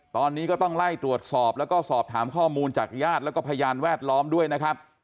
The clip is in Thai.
ตอนนี้ก็ต้องไล่ตรวจสอบแล้วก็สอบถามข้อมูลจากญาติแล้วก็พยานแวดล้อมด้วยนะครับ